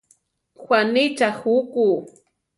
Juanitza juku?